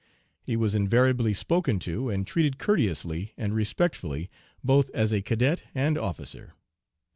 He was invariably spoken to and treated courteously and respectfully both as a cadet and officer.'